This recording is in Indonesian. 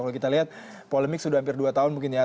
kalau kita lihat polemik sudah hampir dua tahun mungkin ya